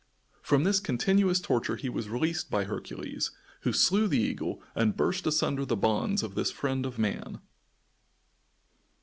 From this continuous torture he was released by Hercules, who slew the eagle and burst asunder the bonds of this friend of man.